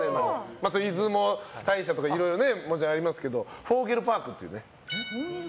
出雲大社とか、もちろんいろいろありますけどフォーゲルパークっていうね。